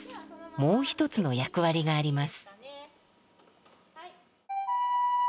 もう一つの役割があります。